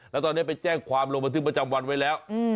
แล้วตอนนี้ไปแจ้งความลงบันทึกประจำวันไว้แล้ว